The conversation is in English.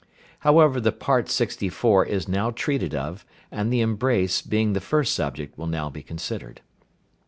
However the part sixty four is now treated of, and the embrace, being the first subject, will now be considered.